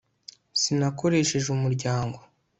sinakoresheje umuryango